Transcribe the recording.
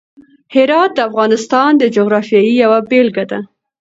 هرات د افغانستان د جغرافیې یوه بېلګه ده.